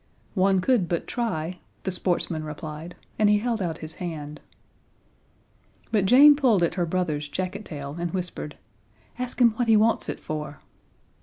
"One could but try," the sportsman replied, and he held out his hand. But Jane pulled at her brother's jacket tail and whispered, "Ask him what he wants it for."